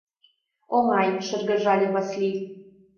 — Оҥай, — шыргыжале Васлий.